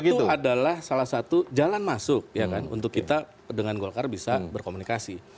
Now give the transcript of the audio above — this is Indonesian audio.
itu adalah salah satu jalan masuk ya kan untuk kita dengan golkar bisa berkomunikasi